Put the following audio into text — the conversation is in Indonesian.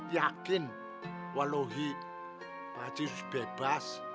yakin walau pak haji harus bebas